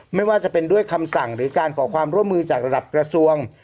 ไม่ว่าจะเป็นด้วยคำสั่งหรือการขอความร่วมมือจากระดับกระทรวง